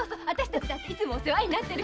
いつも世話になってるし。